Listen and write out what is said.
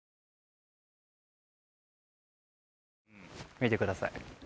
見てください。